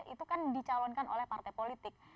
itu kan dicalonkan oleh partai politik